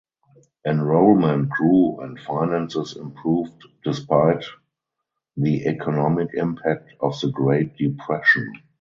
Enrollment grew and finances improved despite the economic impact of the Great Depression.